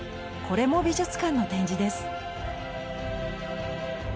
これも美術館の展示です。